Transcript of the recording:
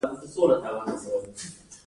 موږ پوه شوو چې کار په خپله توکی نه دی